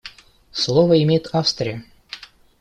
Слово имеет Австрия.